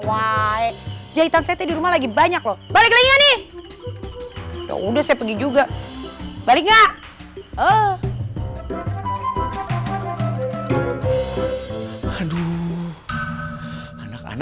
waaai jahitan saya di rumah lagi banyak loh balik lagi nggak nih ya udah saya pergi juga balik nggak